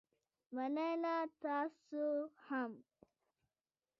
مننه، تاسو هم